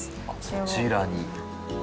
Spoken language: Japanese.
そちらに。